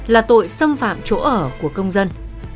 là tội xâm phạm chỗ ở của công dân